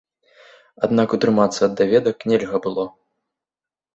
Аднак утрымацца ад даведак нельга было.